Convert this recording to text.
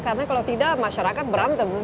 karena kalau tidak masyarakat berantem